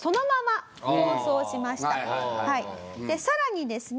でさらにですね